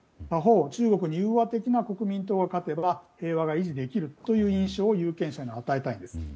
中国に融和的な国民党が勝てば平和が維持できるという印象を有権者に与えたいんですね。